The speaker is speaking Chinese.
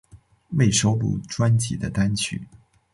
未收录专辑的单曲